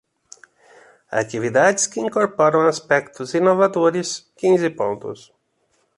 Atividades que incorporam aspectos inovadores, quinze pontos.